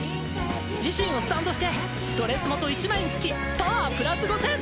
自身をスタンドしてドレス元１枚につきパワープラス５０００！